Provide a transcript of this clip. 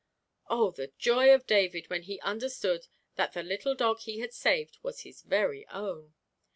Oh, the joy of David when he understood that the little dog he had saved was his very own!